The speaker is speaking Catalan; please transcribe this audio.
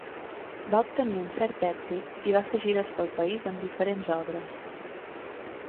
Va obtenir un cert èxit i va fer gires pel país amb diferents obres.